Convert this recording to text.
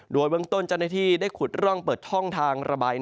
โดยเบื้องต้นเจ้าหน้าที่ได้ขุดร่องเปิดช่องทางระบาย